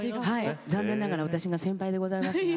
残念ながら私が先輩でございます。